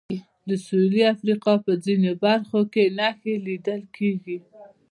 د سوېلي افریقا په ځینو برخو کې نښې لیدل کېږي.